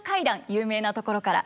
有名なところから。